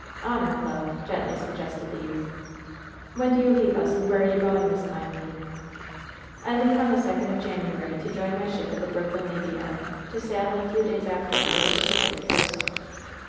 "Honor, love," gently suggested the youth. "When do you leave us, and where are you going this time, Le?" "I leave on the second of January, to join my ship at the Brooklyn Navy Yard, to sail in a few days after for the Pacific coast."